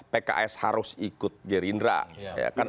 pks harus ikut gerindra